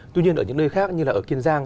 tuy nhiên ở những nơi khác như là ở kiên giang